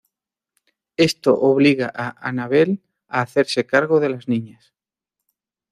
Esto obliga a Annabel a hacerse cargo de las niñas.